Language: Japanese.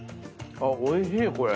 おいしいこれ。